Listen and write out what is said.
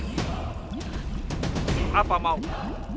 apa yang kamu inginkan